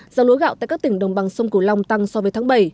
giá lúa gạo tại các tỉnh đồng bằng sông cửu long tăng so với tháng bảy